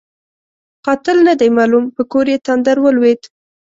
قاتل نه دی معلوم؛ په کور یې تندر ولوېد.